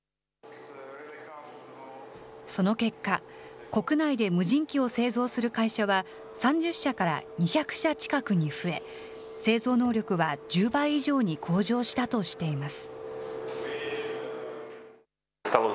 その結果、国内で無人機を製造する会社は、３０社から２００社近くに増え、製造能力は１０倍以上に向上したとしています。